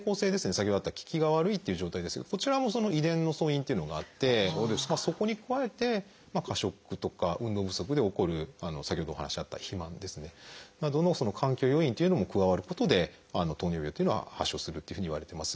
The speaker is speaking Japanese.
先ほどあった効きが悪いという状態ですがこちらも遺伝の素因というのがあってそこに加えて過食とか運動不足で起こる先ほどお話にあった肥満などの環境要因というのも加わることで糖尿病というのは発症するというふうにいわれてます。